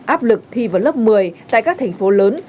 áp lực thi vào lớp một mươi tại các thành phố lớn